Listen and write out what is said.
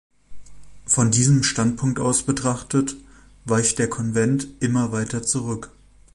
Von diesem Standpunkt aus betrachtet, weicht der Konvent immer weiter zurück.